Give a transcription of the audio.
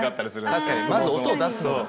確かにまず音を出すのが大変。